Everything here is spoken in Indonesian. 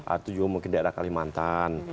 atau mungkin daerah kalimantan